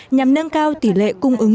nhằm nâng cao tỷ lệ cung ứng